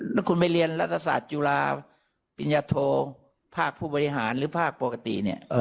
แล้วคุณไปเรียนรัฐศาสตร์จุฬาปิญญโทภาคผู้บริหารหรือภาคปกติเนี่ย